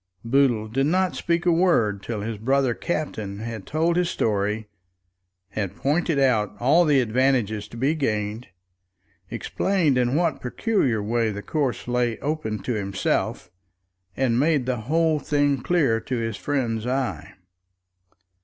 Boodle did not speak a word till his brother captain had told his story, had pointed out all the advantages to be gained, explained in what peculiar way the course lay open to himself, and made the whole thing clear to his friend's eye.